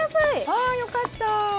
ああよかった。